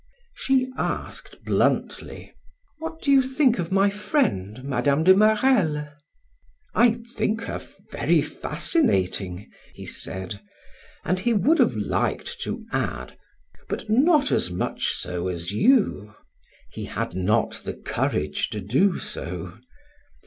She asked bluntly: "What do you think of my friend Mme. de Marelle?" "I think her very fascinating," he said; and he would have liked to add: "But not as much so as you." He had not the courage to do so.